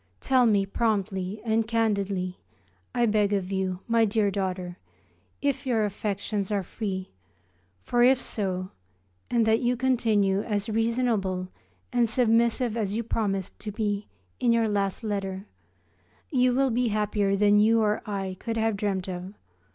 Tell me promptly and candidly, I beg of you, my dear daughter, if your affections are free, for if so, and that you continue as reasonable and submissive as you promised me to be in your last letter, you will be happier than you or I could have dreamt of.